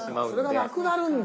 それがなくなるんだ。